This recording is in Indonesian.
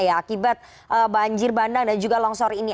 akibat banjir bandang dan juga longsor ini